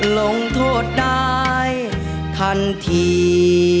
ลงโทษได้ทันที